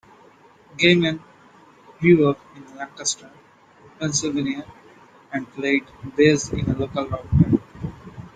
Gehman grew up in Lancaster, Pennsylvania, and played bass in a local rock band.